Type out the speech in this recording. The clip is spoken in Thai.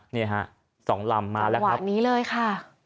นี่ฮะสองลำมาแล้วครับลำนี้เลยค่ะ